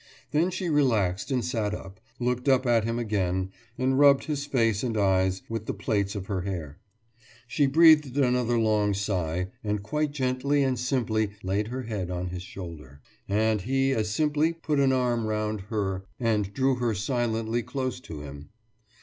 Then she relaxed and sat up, looked up at him again, and rubbed his face and eyes with the plaits of her hair. She breathed another long sigh and quite gently and simply laid her head on his shoulder, and he as simply put an arm round her and drew her silently closer to him.